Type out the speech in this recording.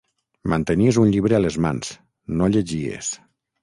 Mantenies un llibre a les mans... no llegies!